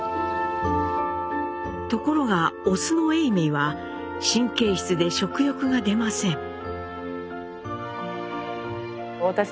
ところがオスの永明は神経質で食欲が出ません。